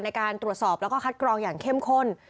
ในการตรวจสอบแล้วก็คัดกรองอย่างเข้มข้น